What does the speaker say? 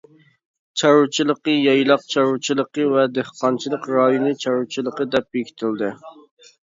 چارۋىچىلىقى يايلاق چارۋىچىلىقى ۋە دېھقانچىلىق رايونى چارۋىچىلىقى دەپ بېكىتىلدى.